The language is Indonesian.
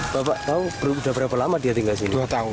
bapak tahu sudah berapa lama dia tinggal di sini